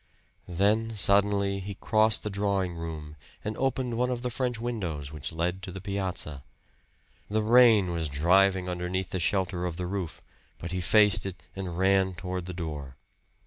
Then suddenly he crossed the drawing room and opened one of the French windows which led to the piazza. The rain was driving underneath the shelter of the roof; but he faced it, and ran toward the door.